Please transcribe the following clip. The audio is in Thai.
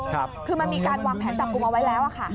คือมันมีการวางแผนจับกลุ่มเอาไว้แล้วอะค่ะ